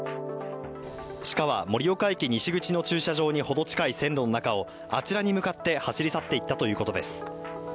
シカは盛岡駅西口の駐車場に程近い線路の中をあちらに向かって走り去っていったということです。